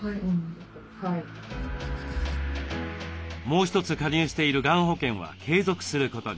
もう一つ加入しているがん保険は継続することに。